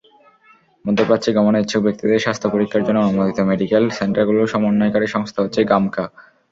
মধ্যপ্রাচ্যে গমনে ইচ্ছুক ব্যক্তিদের স্বাস্থ্যপরীক্ষার জন্য অনুমোদিত মেডিকেল সেন্টারগুলোর সমন্বয়কারী সংস্থা হচ্ছে গামকা।